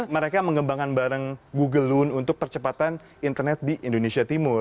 mereka mengembangkan bareng google looon untuk percepatan internet di indonesia timur